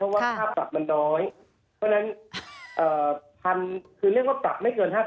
เพราะว่าค่าปรับมาน้อยเพราะฉะนั้นคือเรื่องปรับไม่เกิน๕๐๐๐บาท